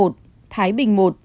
thái bình một